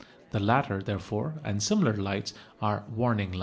The latter, therefore, and similar lights are "warning" lights.